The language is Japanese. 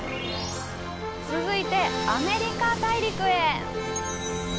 続いてアメリカ大陸へ！